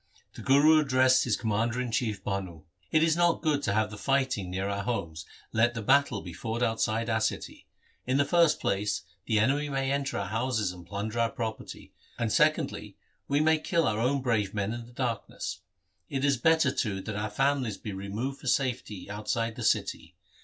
The Guru addressed his commander in chief Bhanu : 'It is not good to have the fighting near our homes, let the battle be fought outside our city. In the first place, the enemy may enter our houses and plunder our pro perty and secondly, we may kill our own brave men in the darkness. It is better, too, that our families be removed for safety outside the city.